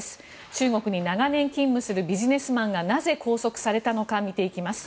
中国に長年勤務するビジネスマンがなぜ、拘束されたのか見ていきます。